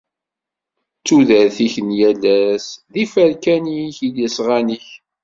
D tudert-ik n yal ass i d afakan-ik, i d asɣan-ik!